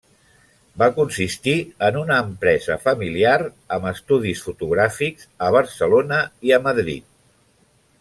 Va consistir en una empresa familiar amb estudis fotogràfics a Barcelona i a Madrid.